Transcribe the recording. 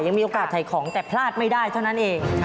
ยังมีโอกาสถ่ายของแต่พลาดไม่ได้เท่านั้นเอง